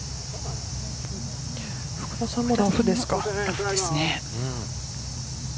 福田さんもラフですか。